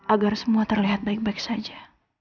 agar semua terlihat baik baik saja